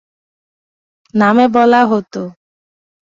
নামে বলা হতো।